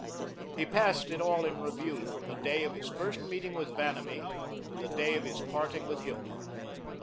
He passed it all in review from the day of his first meeting with Vanamee to the day of his parting with Hilma.